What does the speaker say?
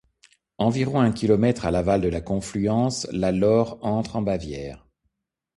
Environ un kilomètre à l'aval de la confluence, la Lohr entre en Bavière.